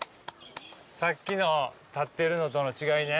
さっきの立ってるのとの違いね。